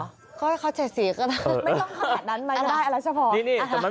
ไม่ต้องขาดนั้นมั้ย